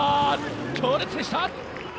強烈でした。